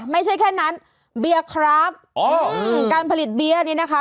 ไม่ใช่แค่นั้นเบียร์ครับอ๋อการผลิตเบียร์นี้นะคะ